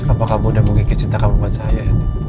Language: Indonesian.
apa kamu udah mengikuti cinta kamu buat saya